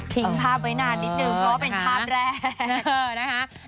ทิ้งภาพไว้นานนิดหนึ่งเพราะว่าเป็นภาพแรก